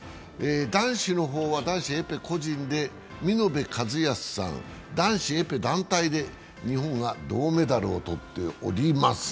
男子の方は、男子エペ個人で見延和靖さん、男子エペ団体で日本が銅メダルを取っております。